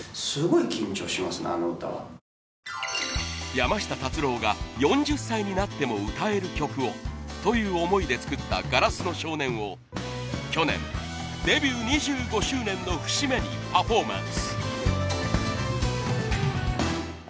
山下達郎が「４０歳になっても歌える曲を」という思いで作った『硝子の少年』を去年デビュー２５周年の節目にパフォーマンス。